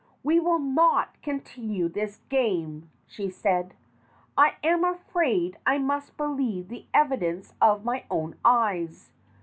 "We will not continue this game," she said. "I am afraid I must believe the evidence of my own eyes.